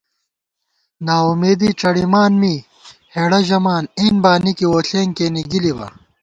ناامېدی ڄَڑِمان می، ہېڑہ ژَمان اېن بانِکےووݪېنگ کېنےگِلِبا